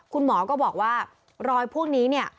คุณหมอก็บอกว่ารอยพวกนี้เนี่ย